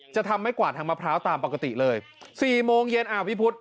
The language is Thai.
จะทำไม่กวาดทางมะพร้าวตามปกติเลย๔โมงเย็นอ่าพี่พุทธ